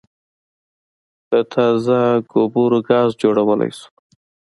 له تازه ګوبرو ګاز جوړولای شو